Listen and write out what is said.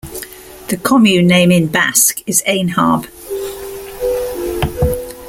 The commune name in Basque is "Ainharbe".